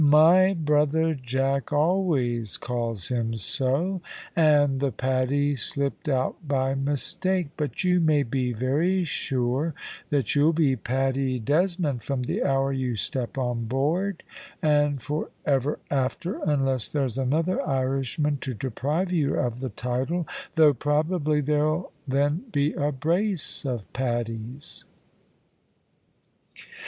"My brother Jack always calls him so, and the Paddy slipped out by mistake; but you may be very sure that you'll be Paddy Desmond from the hour you step on board, and for ever after unless there's another Irishman to deprive you of the title, though, probably, there'll then be a brace of Paddies."